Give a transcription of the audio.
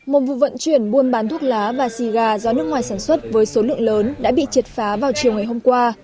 một vụ vận chuyển buôn bán thuốc lá và xì gà do nước ngoài sản xuất với số lượng lớn đã bị triệt phá vào chiều ngày hôm qua